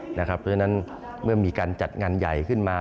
เพราะฉะนั้นเมื่อมีการจัดงานใหญ่ขึ้นมา